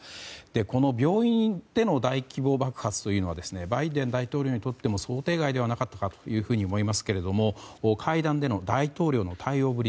この病院での大規模爆発というのはバイデン大統領にとっても想定外ではなかったかと思いますが会談での大統領の対応ぶり